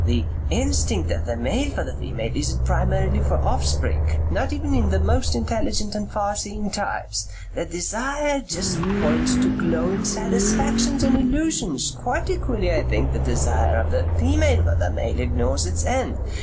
The instinct of the male for the female isn't primarily for offspring not even in the most intelligent and farseeing types. The desire just points to glowing satisfactions and illusions. Quite equally I think the desire of the female for the male ignores its end.